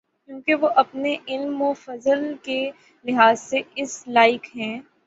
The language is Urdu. کیونکہ وہ اپنے علم و فضل کے لحاظ سے اس لائق ہیں۔